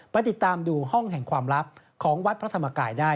ไปดูห้องแห่งความลับของวัดพระธรรมกายได้